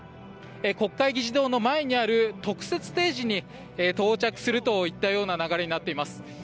国会議事堂の前にある特設ステージに到着するといったような流れになっています。